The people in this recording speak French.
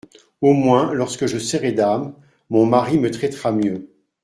Au moins lorsque je serai dame, Mon mari me traitera mieux !